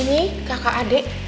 ini kakak adik